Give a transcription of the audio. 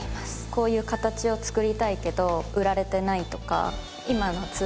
こういう形を作りたいけど売られてないとか。